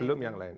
belum yang lain